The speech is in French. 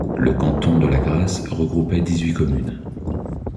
Le canton de Lagrasse regroupait dix-huit communes.